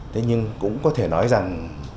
thế nhưng cũng có thể nói rằng